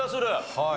はい。